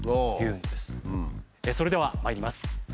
それではまいります。